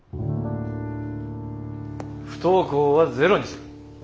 不登校はゼロにする。